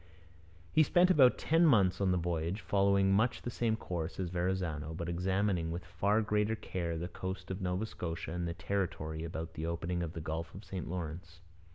He spent about ten months on the voyage, following much the same course as Verrazano, but examining with far greater care the coast of Nova Scotia and the territory about the opening of the Gulf of St Lawrence.